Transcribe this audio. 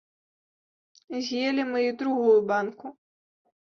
З'елі мы і другую банку.